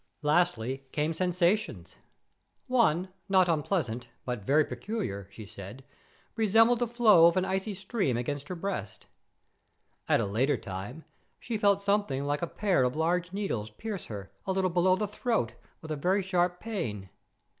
Lastly came sensations. One, not unpleasant, but very peculiar, she said, resembled the flow of an icy stream against her breast. At a later time, she felt something like a pair of large needles pierce her, a little below the throat, with a very sharp pain.